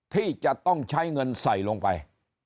ที่จะต้องใช้เงินใส่ลงไป